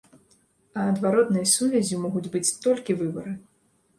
А адваротнай сувяззю могуць быць толькі выбары!